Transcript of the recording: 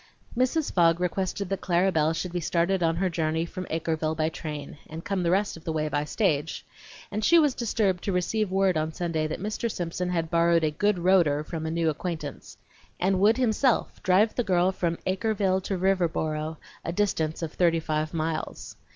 Mrs. Fogg requested that Clara Belle should be started on her journey from Acreville by train and come the rest of the way by stage, and she was disturbed to receive word on Sunday that Mr. Simpson had borrowed a "good roader" from a new acquaintance, and would himself drive the girl from Acreville to Riverboro, a distance of thirty five miles.